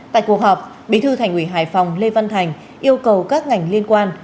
tại cuộc họp bí thư thành ủy hải phòng lê văn thành yêu cầu các ngành liên quan